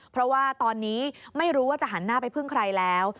เพราะว่าตอนนี้ไม่รู้ว่าจะหันหน้าไปพึ่งใครแล้ว